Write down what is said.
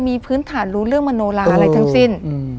มีพื้นฐานรู้เรื่องมโนลาอะไรทั้งสิ้น